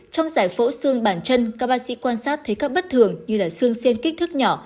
trong giải phẫu xương bàn chân các bác sĩ quan sát thấy các bất thường như là xương sen kích thước nhỏ